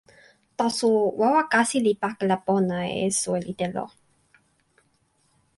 taso wawa kasi li pakala pona e soweli telo.